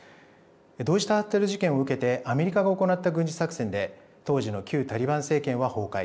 同時多発テロ事件を受けてアメリカが行った軍事作戦で当時の旧タリバン政権は崩壊。